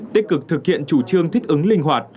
tích cực thực hiện chủ trương thích ứng linh hoạt